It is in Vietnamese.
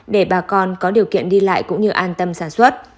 để bà con có điều kiện đi lại cũng như an tâm sản xuất